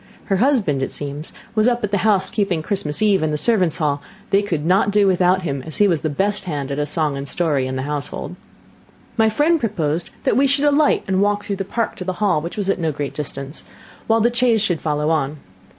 Her husband, it seems, was up at the house keeping Christmas eve in the servants' hall; they could not do without him, as he was the best hand at a song and story in the household. My friend proposed that we should alight and walk through the park to the hall, which was at no great distance, while the chaise should follow on.